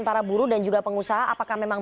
antara buruh dan juga pengusaha apakah memang